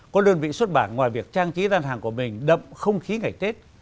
có đơn vị xuất bản ngoài việc trang trí gian hàng của mình đậm không khí ngày tết